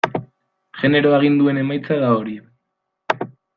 Genero aginduen emaitza da hori.